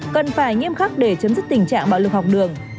cần phải nghiêm khắc để chấm dứt tình trạng bạo lực học đường